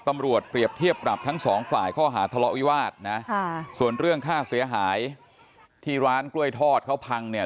ตำรวจเปรียบเทียบปรับทั้งสองฝ่ายข้อหาทะเลาะวิวาสนะส่วนเรื่องค่าเสียหายที่ร้านกล้วยทอดเขาพังเนี่ย